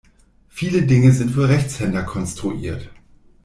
Viele Dinge sind für Rechtshänder konstruiert.